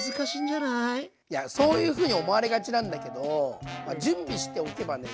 いやそういうふうに思われがちなんだけど準備しておけばね